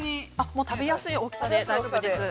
◆もう食べやすい大きさで大丈夫です。